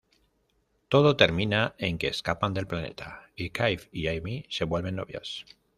Todo termina en que escapan del planeta, y Kif y Amy se vuelven novios.